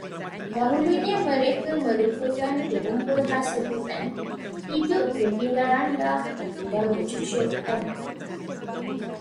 Dahulunya mereka merupakan pengumpul hasil hutan, hidup berpindah-randah, dan bercucuk tanam.